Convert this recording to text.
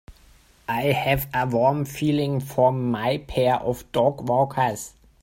I have a warm feeling for my pair of dogwalkers.